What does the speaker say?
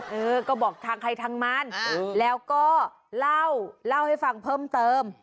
เออก็บอกทางใครทางมันแล้วก็เล่าเล่าให้ฟังเพิ่มเติม